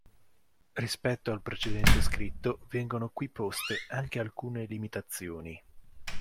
Rispetto al precedente scritto, vengono qui poste anche alcune limitazioni.